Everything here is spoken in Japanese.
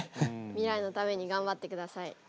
未来のために頑張ってください。